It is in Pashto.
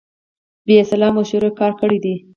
بې سلا مشورې کار کړی دی.